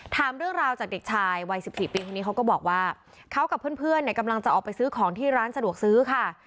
ถามเรื่องราวจากเด็กชายวัย๑๔ปีคนนี้เขาก็บอกว่าเขากับเพื่อนเนี่ยกำลังจะออกไปซื้อของที่ร้านสะดวกซื้อค่ะ